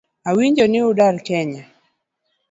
Awinjo ni udar kenya